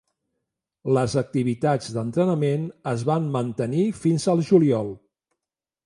Les activitats d'entrenament es van mantenir fins al juliol.